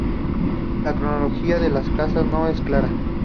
La cronología de las casas no es clara.